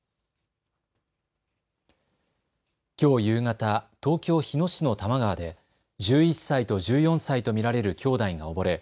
きょう夕方、東京日野市の多摩川で１１歳と１４歳と見られる兄弟が溺れ